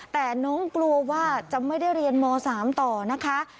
แต่น้องกลัวว่าจะไม่ได้เรียนม๓ต่อนะคะ